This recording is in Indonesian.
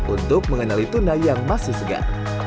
untuk mengenali tuna yang masih segar